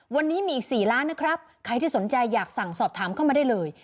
วันนี้มีอีก๔ล้านนะครับใครที่สนใจอยากสั่งสอบถามเข้ามาได้เลย